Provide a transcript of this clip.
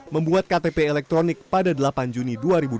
membuat ktp elektronik pada delapan juni dua ribu dua puluh